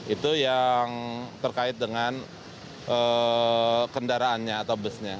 itu yang terkait dengan kendaraannya atau busnya